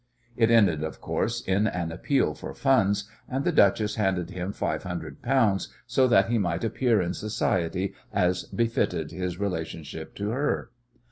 It ended, of course, in an appeal for funds, and the duchess handed him five hundred pounds so that he might appear in society as befitted his relationship to her.